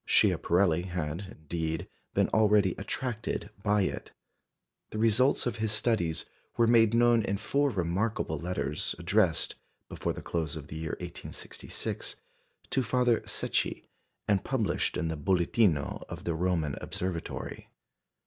Schiaparelli had, indeed, been already attracted by it. The results of his studies were made known in four remarkable letters, addressed, before the close of the year 1866, to Father Secchi, and published in the Bulletino of the Roman Observatory.